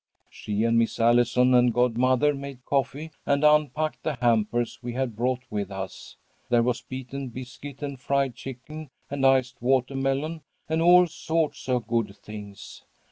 She and Miss Allison and godmother made coffee and unpacked the hampers we had brought with us. There was beaten biscuit and fried chicken and iced watermelon, and all sorts of good things.